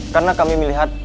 karena kami melihat